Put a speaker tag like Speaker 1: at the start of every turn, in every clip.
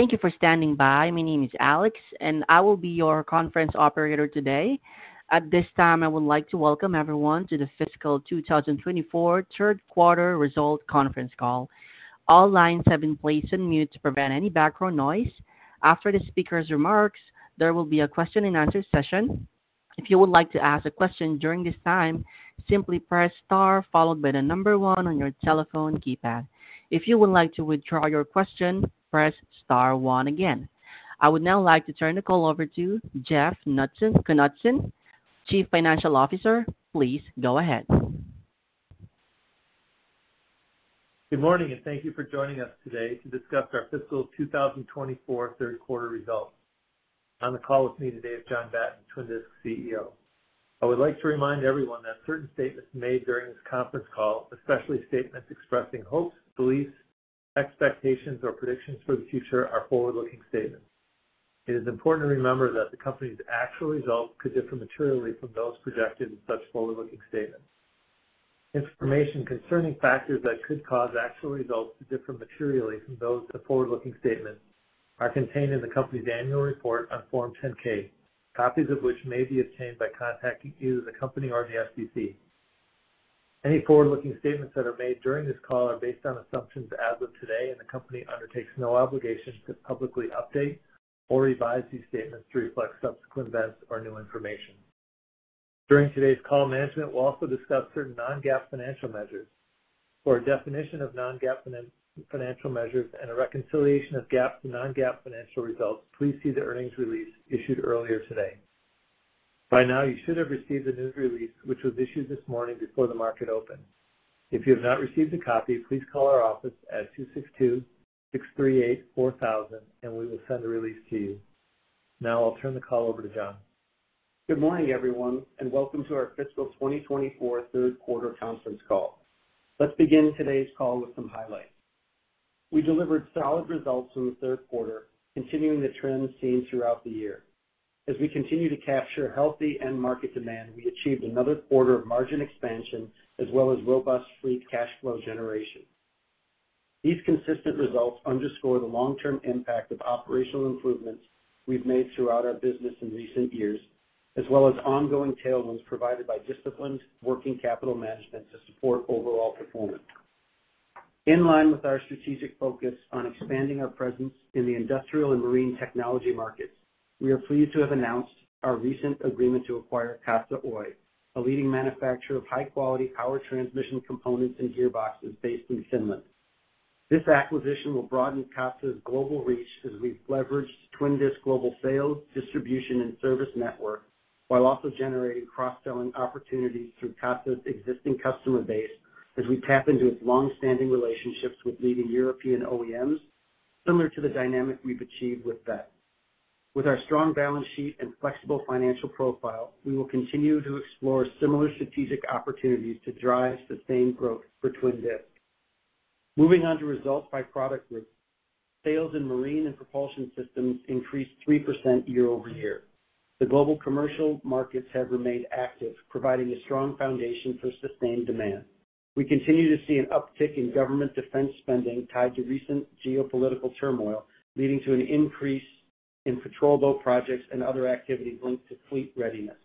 Speaker 1: Thank you for standing by. My name is Alex, and I will be your conference operator today. At this time, I would like to welcome everyone to the fiscal 2024 third quarter results conference call. All lines have been placed on mute to prevent any background noise. After the speaker's remarks, there will be a question-and-answer session. If you would like to ask a question during this time, simply press star followed by the number one on your telephone keypad. If you would like to withdraw your question, press star one again. I would now like to turn the call over to Jeff Knutson, Chief Financial Officer. Please go ahead.
Speaker 2: Good morning, and thank you for joining us today to discuss our fiscal 2024 third quarter results. On the call with me today is John Batten, Twin Disc CEO. I would like to remind everyone that certain statements made during this conference call, especially statements expressing hopes, beliefs, expectations, or predictions for the future, are forward-looking statements. It is important to remember that the company's actual results could differ materially from those projected in such forward-looking statements. Information concerning factors that could cause actual results to differ materially from those of the forward-looking statement are contained in the company's annual report on Form 10-K, copies of which may be obtained by contacting either the company or the SEC. Any forward-looking statements that are made during this call are based on assumptions as of today, and the company undertakes no obligation to publicly update or revise these statements to reflect subsequent events or new information. During today's call, management will also discuss certain non-GAAP financial measures. For a definition of non-GAAP financial measures and a reconciliation of GAAP to non-GAAP financial results, please see the earnings release issued earlier today. By now, you should have received the news release, which was issued this morning before the market opened. If you have not received a copy, please call our office at 262-638-4000, and we will send the release to you. Now I'll turn the call over to John. Good morning, everyone, and welcome to our fiscal 2024 third quarter conference call. Let's begin today's call with some highlights.
Speaker 3: We delivered solid results in the third quarter, continuing the trend seen throughout the year. As we continue to capture healthy end market demand, we achieved another quarter of margin expansion as well as robust free cash flow generation. These consistent results underscore the long-term impact of operational improvements we've made throughout our business in recent years, as well as ongoing tailwinds provided by disciplined working capital management to support overall performance. In line with our strategic focus on expanding our presence in the industrial and marine technology markets, we are pleased to have announced our recent agreement to acquire Katsa Oy, a leading manufacturer of high-quality power transmission components and gearboxes based in Finland. This acquisition will broaden Katsa's global reach as we leverage Twin Disc global sales, distribution, and service network, while also generating cross-selling opportunities through Katsa's existing customer base, as we tap into its long-standing relationships with leading European OEMs, similar to the dynamic we've achieved with that. With our strong balance sheet and flexible financial profile, we will continue to explore similar strategic opportunities to drive sustained growth for Twin Disc. Moving on to results by product group. Sales in marine and propulsion systems increased 3% year-over-year. The global commercial markets have remained active, providing a strong foundation for sustained demand. We continue to see an uptick in government defense spending tied to recent geopolitical turmoil, leading to an increase in patrol boat projects and other activities linked to fleet readiness.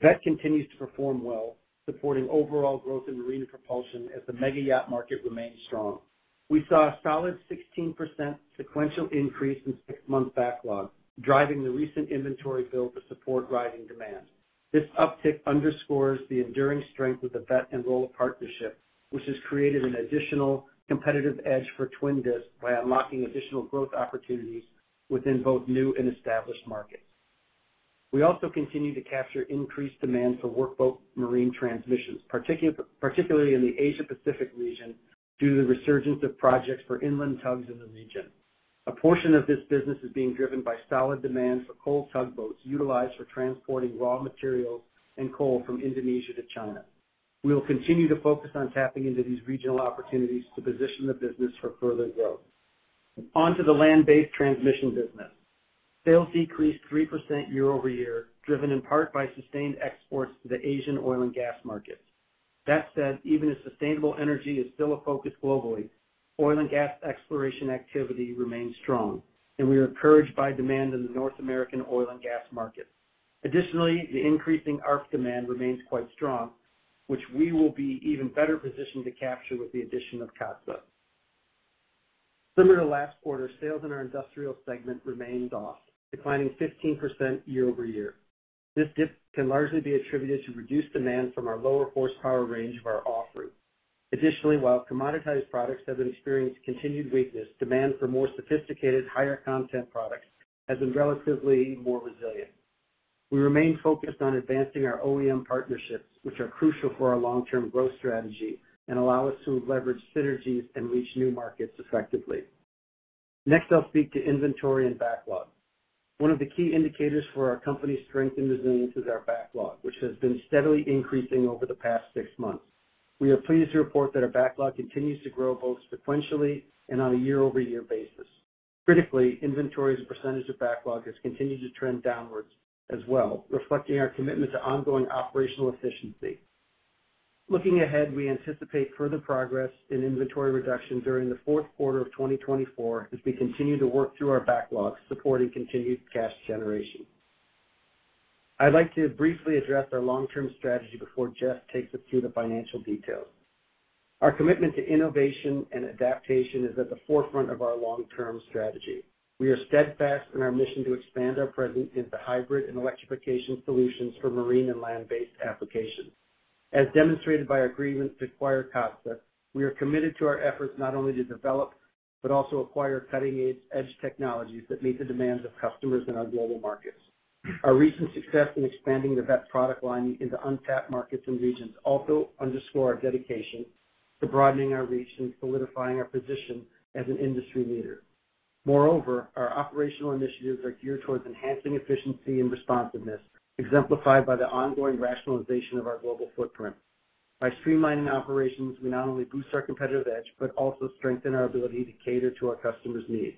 Speaker 3: That continues to perform well, supporting overall growth in marine propulsion as the mega yacht market remains strong. We saw a solid 16% sequential increase in six-month backlog, driving the recent inventory build to support rising demand. This uptick underscores the enduring strength of the Veth and Rolla partnership, which has created an additional competitive edge for Twin Disc by unlocking additional growth opportunities within both new and established markets. We also continue to capture increased demand for workboat marine transmissions, particularly in the Asia Pacific region, due to the resurgence of projects for inland tugs in the region. A portion of this business is being driven by solid demand for coal tugboats utilized for transporting raw materials and coal from Indonesia to China. We will continue to focus on tapping into these regional opportunities to position the business for further growth. On to the land-based transmission business. Sales decreased 3% year-over-year, driven in part by sustained exports to the Asian oil and gas markets. That said, even as sustainable energy is still a focus globally, oil and gas exploration activity remains strong, and we are encouraged by demand in the North American oil and gas market. Additionally, the increasing ARFF demand remains quite strong, which we will be even better positioned to capture with the addition of Katsa. Similar to last quarter, sales in our industrial segment remained off, declining 15% year-over-year. This dip can largely be attributed to reduced demand from our lower horsepower range of our offering. Additionally, while commoditized products have experienced continued weakness, demand for more sophisticated, higher content products has been relatively more resilient. We remain focused on advancing our OEM partnerships, which are crucial for our long-term growth strategy and allow us to leverage synergies and reach new markets effectively. Next, I'll speak to inventory and backlog. One of the key indicators for our company's strength and resilience is our backlog, which has been steadily increasing over the past six months. We are pleased to report that our backlog continues to grow both sequentially and on a year-over-year basis. Critically, inventory as a percentage of backlog has continued to trend downwards as well, reflecting our commitment to ongoing operational efficiency. Looking ahead, we anticipate further progress in inventory reduction during the fourth quarter of 2024 as we continue to work through our backlogs, supporting continued cash generation. I'd like to briefly address our long-term strategy before Jeff takes us through the financial details. Our commitment to innovation and adaptation is at the forefront of our long-term strategy. We are steadfast in our mission to expand our presence into hybrid and electrification solutions for marine and land-based applications. As demonstrated by our agreement to acquire Katsa, we are committed to our efforts not only to develop, but also acquire cutting-edge technologies that meet the demands of customers in our global markets. Our recent success in expanding the Veth product line into untapped markets and regions also underscore our dedication to broadening our reach and solidifying our position as an industry leader. Moreover, our operational initiatives are geared towards enhancing efficiency and responsiveness, exemplified by the ongoing rationalization of our global footprint. By streamlining operations, we not only boost our competitive edge, but also strengthen our ability to cater to our customers' needs.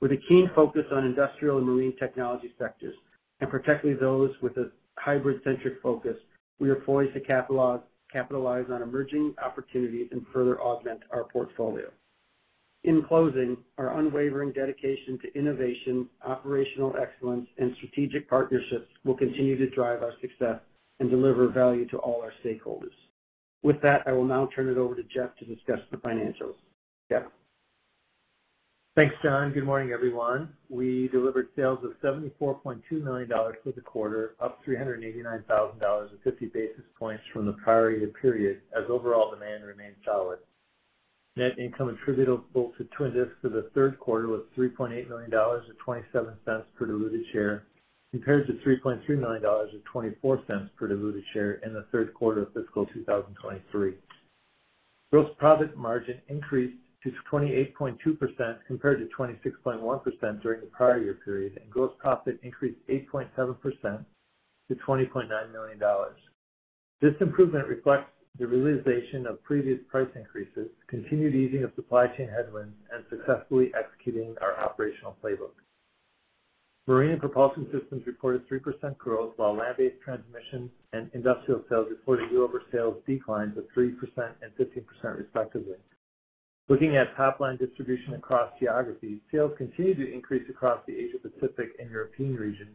Speaker 3: With a keen focus on industrial and marine technology sectors, and particularly those with a hybrid-centric focus, we are poised to capitalize on emerging opportunities and further augment our portfolio. In closing, our unwavering dedication to innovation, operational excellence, and strategic partnerships will continue to drive our success and deliver value to all our stakeholders. With that, I will now turn it over to Jeff to discuss the financials. Jeff?
Speaker 2: Thanks, John. Good morning, everyone. We delivered sales of $74.2 million for the quarter, up $389,000, or 50 basis points from the prior year period, as overall demand remained solid. Net income attributable to Twin Disc for the third quarter was $3.8 million, or $0.27 per diluted share, compared to $3.2 million, or $0.24 per diluted share in the third quarter of fiscal 2023. Gross profit margin increased to 28.2%, compared to 26.1% during the prior year period, and gross profit increased 8.7% to $20.9 million. This improvement reflects the realization of previous price increases, continued easing of supply chain headwinds, and successfully executing our operational playbook. Marine and propulsion systems reported 3% growth, while land-based transmission and industrial sales reported year-over-year sales declines of 3% and 15% respectively. Looking at top-line distribution across geographies, sales continued to increase across the Asia Pacific and European regions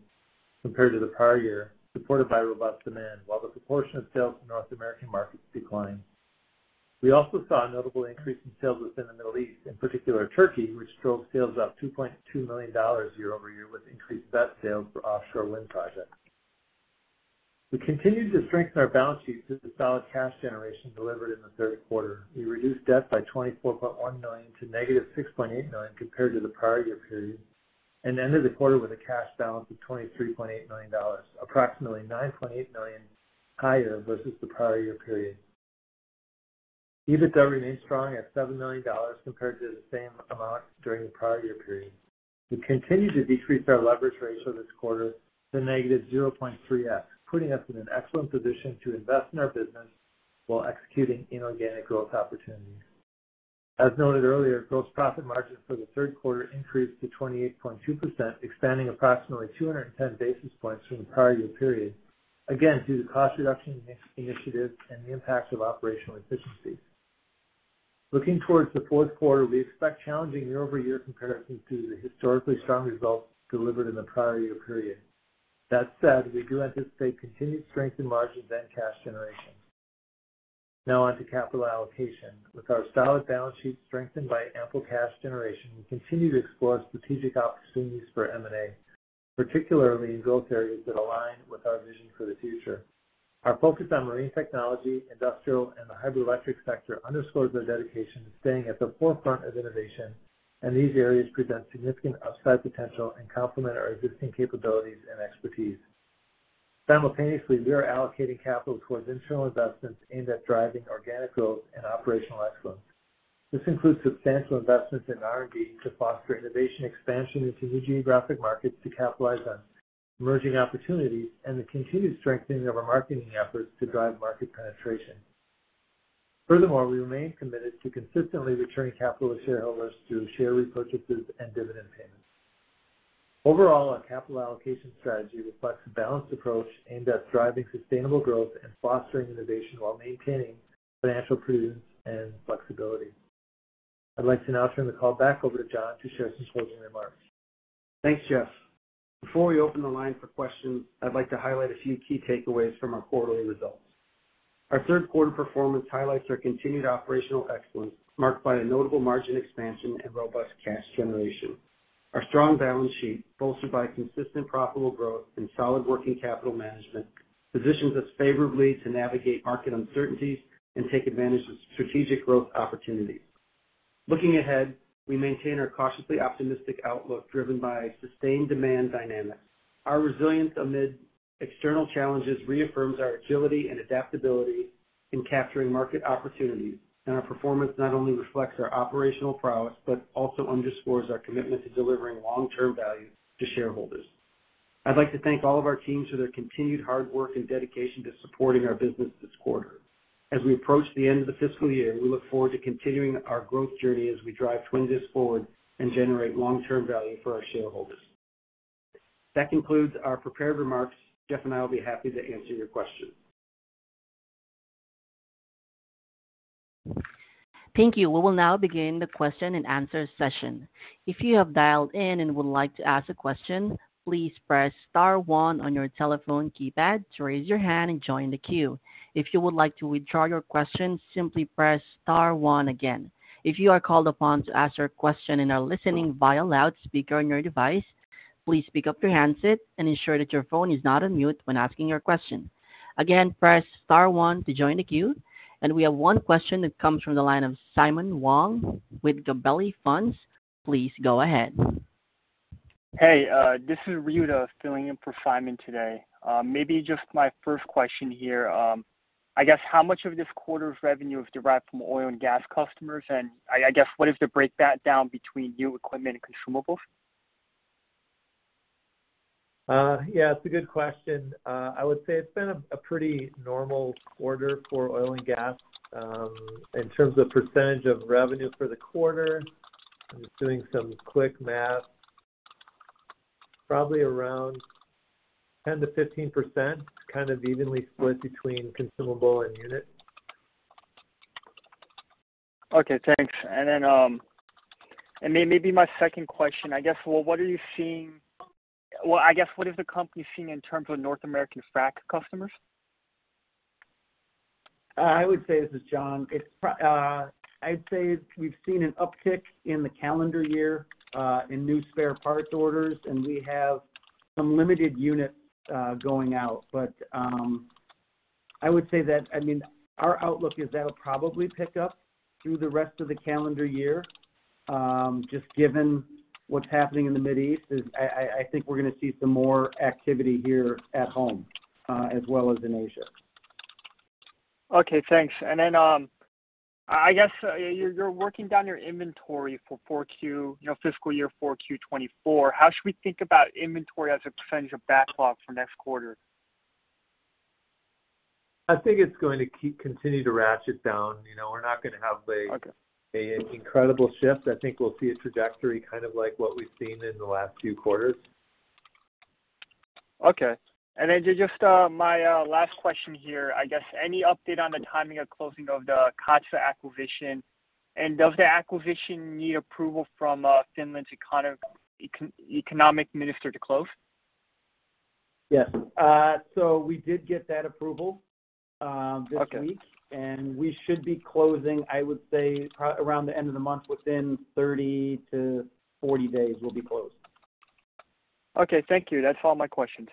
Speaker 2: compared to the prior year, supported by robust demand, while the proportion of sales to North American markets declined. We also saw a notable increase in sales within the Middle East, in particular, Turkey, which drove sales up $2.2 million year-over-year, with increased Veth sales for offshore wind projects. We continued to strengthen our balance sheet through the solid cash generation delivered in the third quarter. We reduced debt by $24.1 million to negative $6.8 million compared to the prior year period, and ended the quarter with a cash balance of $23.8 million, approximately $9.8 million higher versus the prior year period. EBITDA remained strong at $7 million, compared to the same amount during the prior year period. We continued to decrease our leverage ratio this quarter to -0.3x, putting us in an excellent position to invest in our business while executing inorganic growth opportunities. As noted earlier, gross profit margin for the third quarter increased to 28.2%, expanding approximately 210 basis points from the prior year period, again, due to cost reduction initiatives and the impacts of operational efficiency. Looking towards the fourth quarter, we expect challenging year-over-year comparisons due to the historically strong results delivered in the prior year period. That said, we do anticipate continued strength in margins and cash generation. Now on to capital allocation. With our solid balance sheet strengthened by ample cash generation, we continue to explore strategic opportunities for M&A, particularly in growth areas that align with our vision for the future. Our focus on marine technology, industrial, and the hydroelectric sector underscores our dedication to staying at the forefront of innovation, and these areas present significant upside potential and complement our existing capabilities and expertise. Simultaneously, we are allocating capital towards internal investments aimed at driving organic growth and operational excellence. This includes substantial investments in R&D to foster innovation, expansion into new geographic markets to capitalize on emerging opportunities, and the continued strengthening of our marketing efforts to drive market penetration. Furthermore, we remain committed to consistently returning capital to shareholders through share repurchases and dividend payments. Overall, our capital allocation strategy reflects a balanced approach aimed at driving sustainable growth and fostering innovation while maintaining financial prudence and flexibility. I'd like to now turn the call back over to John to share some closing remarks.
Speaker 3: Thanks, Jeff. Before we open the line for questions, I'd like to highlight a few key takeaways from our quarterly results. Our third quarter performance highlights our continued operational excellence, marked by a notable margin expansion and robust cash generation. Our strong balance sheet, bolstered by consistent profitable growth and solid working capital management, positions us favorably to navigate market uncertainties and take advantage of strategic growth opportunities. Looking ahead, we maintain our cautiously optimistic outlook, driven by sustained demand dynamics. Our resilience amid external challenges reaffirms our agility and adaptability in capturing market opportunities, and our performance not only reflects our operational prowess, but also underscores our commitment to delivering long-term value to shareholders. I'd like to thank all of our teams for their continued hard work and dedication to supporting our business this quarter. As we approach the end of the fiscal year, we look forward to continuing our growth journey as we drive Twin Disc forward and generate long-term value for our shareholders. That concludes our prepared remarks. Jeff and I will be happy to answer your questions.
Speaker 1: Thank you. We will now begin the question-and-answer session. If you have dialed in and would like to ask a question, please press star one on your telephone keypad to raise your hand and join the queue. If you would like to withdraw your question, simply press star one again. If you are called upon to ask your question and are listening via loudspeaker on your device, please pick up your handset and ensure that your phone is not on mute when asking your question. Again, press star one to join the queue. And we have one question that comes from the line of Simon Wong with Gabelli Funds. Please go ahead.
Speaker 4: Hey, this is Ryuta filling in for Simon today. Maybe just my first question here, I guess how much of this quarter's revenue is derived from oil and gas customers? And I guess, what is the breakdown between new equipment and consumables?
Speaker 2: Yeah, it's a good question. I would say it's been a pretty normal quarter for oil and gas. In terms of percentage of revenue for the quarter, I'm just doing some quick math, probably around 10%-15%, kind of evenly split between consumable and unit.
Speaker 4: Okay, thanks. And then, maybe my second question, I guess, well, what is the company seeing in terms of North American frac customers?
Speaker 3: I would say, this is John. I'd say we've seen an uptick in the calendar year in new spare parts orders, and we have some limited units going out. But, I would say that, I mean, our outlook is that'll probably pick up through the rest of the calendar year. Just given what's happening in the Middle East, I think we're gonna see some more activity here at home, as well as in Asia.
Speaker 4: Okay, thanks. Then, I guess, you're, you're working down your inventory for 4Q, you know, fiscal year 4Q 2024. How should we think about inventory as a percentage of backlog for next quarter?
Speaker 2: I think it's going to continue to ratchet down. You know, we're not gonna have a-
Speaker 4: Okay.
Speaker 2: an incredible shift. I think we'll see a trajectory, kind of like what we've seen in the last few quarters.
Speaker 4: Okay. And then just my last question here. I guess, any update on the timing of closing of the Katsa acquisition, and does the acquisition need approval from Finland's economic minister to close?
Speaker 3: Yes. So we did get that approval, this week.
Speaker 4: Okay.
Speaker 3: We should be closing, I would say, probably around the end of the month. Within 30-40 days, we'll be closed.
Speaker 4: Okay, thank you. That's all my questions.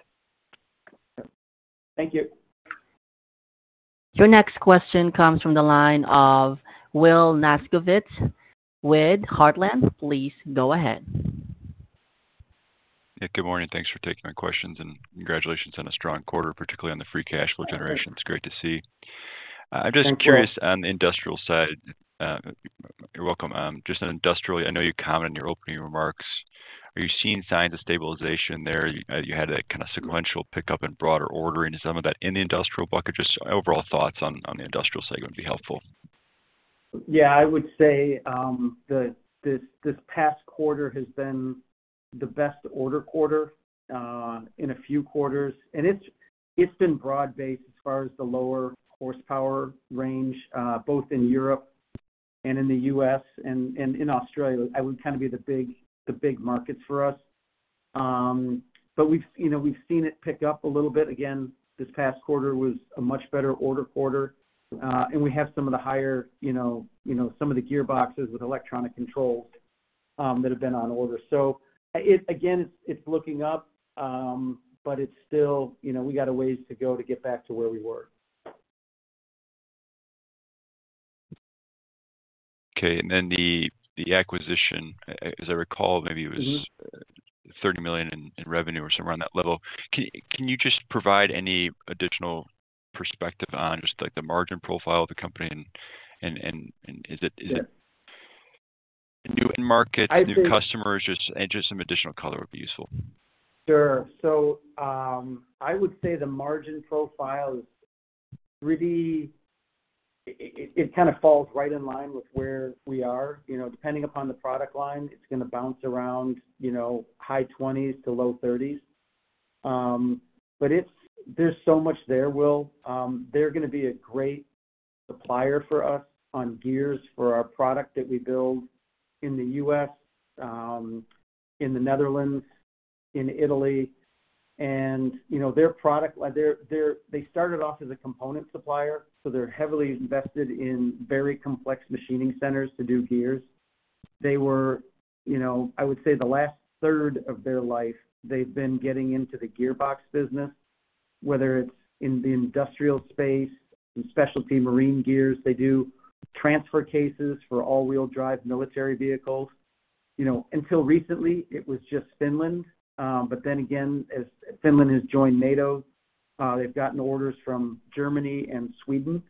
Speaker 3: Thank you.
Speaker 1: Your next question comes from the line of Will Nasgovitz with Heartland. Please go ahead.
Speaker 5: Yeah, good morning. Thanks for taking my questions, and congratulations on a strong quarter, particularly on the free cash flow generation. It's great to see.
Speaker 3: Thank you.
Speaker 5: I'm just curious on the industrial side. You're welcome. Just on industrial, I know you commented in your opening remarks. Are you seeing signs of stabilization there? You had a kind of sequential pickup in broader ordering. Some of that in the industrial bucket, just overall thoughts on, on the industrial segment would be helpful.
Speaker 3: Yeah, I would say, this past quarter has been the best order quarter in a few quarters. And it's been broad-based as far as the lower horsepower range both in Europe and in the U.S. and in Australia. That would kind of be the big markets for us. But we've, you know, we've seen it pick up a little bit. Again, this past quarter was a much better order quarter, and we have some of the higher, you know, some of the gearboxes with electronic controls that have been on order. So it again, it's looking up, but it's still, you know, we got a ways to go to get back to where we were.
Speaker 5: Okay, and then the acquisition, as I recall, maybe it was.
Speaker 3: Mm-hmm.
Speaker 5: $30 million in revenue or somewhere around that level. Can you just provide any additional perspective on just, like, the margin profile of the company and is it, is it.
Speaker 3: Yeah
Speaker 5: A new end market
Speaker 3: I think.
Speaker 5: New customers, just, and just some additional color would be useful.
Speaker 3: Sure. So, I would say the margin profile is pretty... It kind of falls right in line with where we are. You know, depending upon the product line, it's gonna bounce around, you know, high twenties to low thirties. But it's, there's so much there, Will. They're gonna be a great supplier for us on gears for our product that we build in the U.S., in the Netherlands, in Italy. And, you know, their product, like, they started off as a component supplier, so they're heavily invested in very complex machining centers to do gears. They were, you know, I would say, the last third of their life, they've been getting into the gearbox business, whether it's in the industrial space, in specialty marine gears. They do transfer cases for all-wheel drive military vehicles. You know, until recently, it was just Finland. But then again, as Finland has joined NATO, they've gotten orders from Germany and Sweden.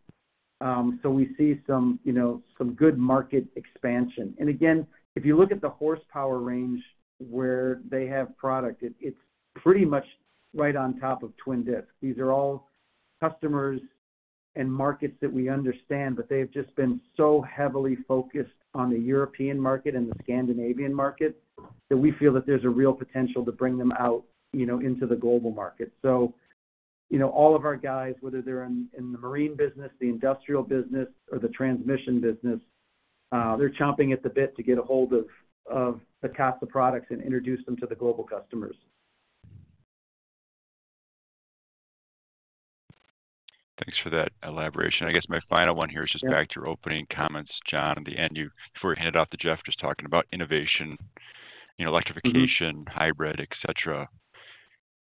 Speaker 3: So we see some, you know, some good market expansion. And again, if you look at the horsepower range where they have product, it's pretty much right on top of Twin Disc. These are all customers and markets that we understand, but they have just been so heavily focused on the European market and the Scandinavian market, that we feel that there's a real potential to bring them out, you know, into the global market. So, you know, all of our guys, whether they're in the marine business, the industrial business, or the transmission business, they're chomping at the bit to get a hold of the Katsa products and introduce them to the global customers.
Speaker 5: Thanks for that elaboration. I guess my final one here is just back to your opening comments, John. In the end, you before we hand it off to Jeff, just talking about innovation, you know, electrification.
Speaker 3: Mm-hmm.
Speaker 5: Hybrid, et cetera.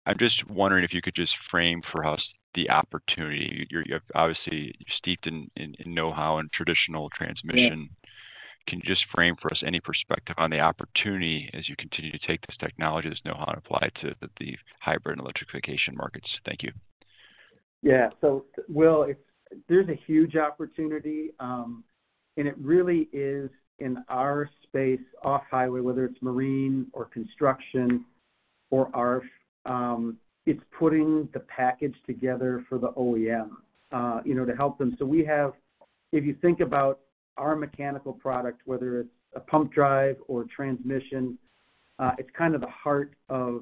Speaker 5: I'm just wondering if you could just frame for us the opportunity. You're, you're obviously steeped in, in know-how and traditional transmission.
Speaker 3: Yeah.
Speaker 5: Can you just frame for us any perspective on the opportunity as you continue to take these technologies, know-how, and apply it to the hybrid and electrification markets? Thank you.
Speaker 3: Yeah. So Will, there's a huge opportunity, and it really is in our space, off-highway, whether it's marine or construction or ARFF, it's putting the package together for the OEM, you know, to help them. So, if you think about our mechanical product, whether it's a pump drive or transmission, it's kind of the heart of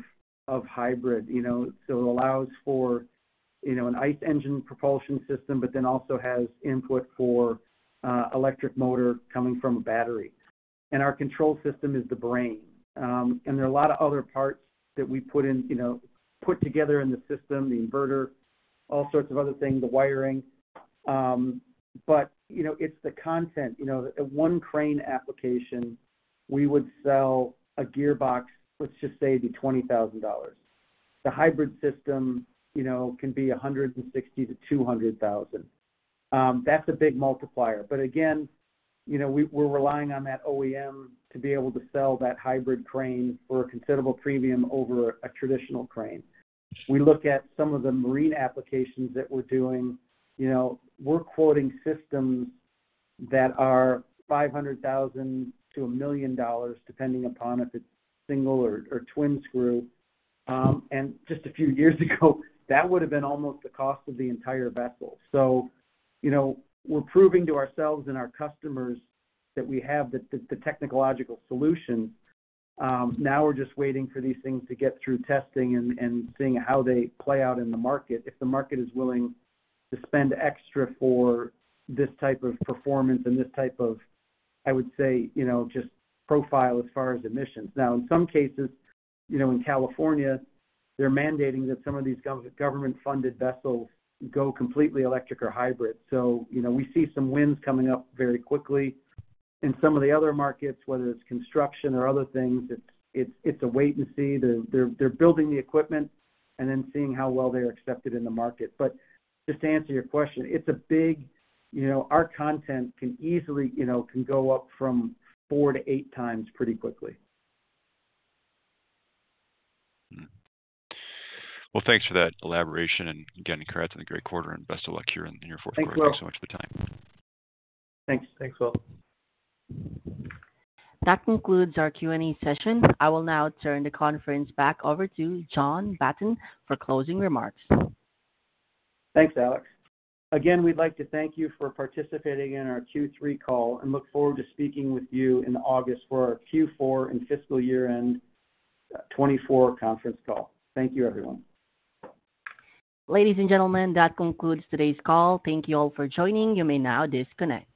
Speaker 3: hybrid, you know? So it allows for, you know, an ICE engine propulsion system, but then also has input for electric motor coming from a battery. And our control system is the brain. And there are a lot of other parts that we put in, you know, put together in the system, the inverter, all sorts of other things, the wiring. But, you know, it's the content. You know, at one crane application, we would sell a gearbox, let's just say, be $20,000. The hybrid system, you know, can be $160,000-$200,000. That's a big multiplier. But again, you know, we're relying on that OEM to be able to sell that hybrid crane for a considerable premium over a traditional crane. We look at some of the marine applications that we're doing, you know, we're quoting systems that are $500,000-$1 million, depending upon if it's single or twin screw. And just a few years ago, that would have been almost the cost of the entire vessel. So, you know, we're proving to ourselves and our customers that we have the technological solution. Now we're just waiting for these things to get through testing and seeing how they play out in the market. If the market is willing to spend extra for this type of performance and this type of, I would say, you know, just profile as far as emissions. Now, in some cases, you know, in California, they're mandating that some of these government-funded vessels go completely electric or hybrid. So, you know, we see some wins coming up very quickly. In some of the other markets, whether it's construction or other things, it's a wait and see. They're building the equipment and then seeing how well they're accepted in the market. But just to answer your question, it's a big. You know, our content can easily, you know, can go up from 4-8x pretty quickly.
Speaker 5: Mm-hmm. Well, thanks for that elaboration, and again, congrats on the great quarter, and best of luck here in your fourth quarter.
Speaker 3: Thanks, Will.
Speaker 5: Thanks so much for the time.
Speaker 2: Thanks. Thanks, Will.
Speaker 1: That concludes our Q&A session. I will now turn the conference back over to John Batten for closing remarks.
Speaker 3: Thanks, Alex. Again, we'd like to thank you for participating in our Q3 call, and look forward to speaking with you in August for our Q4 and fiscal year-end 2024 conference call. Thank you, everyone.
Speaker 1: Ladies and gentlemen, that concludes today's call. Thank you all for joining. You may now disconnect.